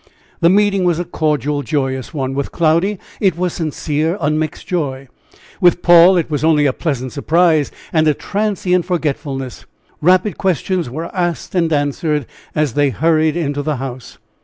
The meeting was a cordial, joyous one with Cloudy it was sincere, unmixed joy; with Paul it was only a pleasant surprise and a transient forgetfulness. Rapid questions were asked and answered, as they hurried into the house.